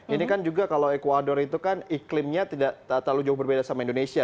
ini kan juga kalau ecuador itu kan iklimnya tidak terlalu jauh berbeda sama indonesia